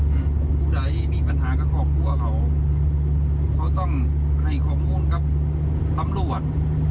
อืมผู้ใดมีปัญหากับครอบครัวเขาเขาต้องให้ข้อมูลกับตำรวจ